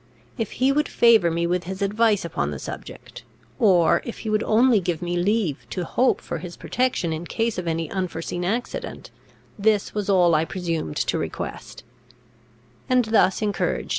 If he would favour me with his advice upon the subject, or if he would only give me leave to hope for his protection in case of any unforeseen accident, this was all I presumed to request; and, thus encouraged.